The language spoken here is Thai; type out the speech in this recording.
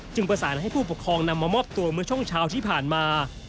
ประสานให้ผู้ปกครองนำมามอบตัวเมื่อช่วงเช้าที่ผ่านมา